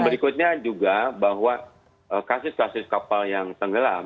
berikutnya juga bahwa kasus kasus kapal yang tenggelam